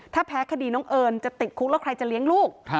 ถ้าแพ้คดีน้องเอิญจะติดคุกแล้วใครจะเลี้ยงลูก